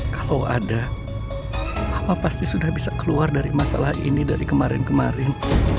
kalau ada apa pasti sudah bisa keluar dari masalah ini dari kemarin kemarin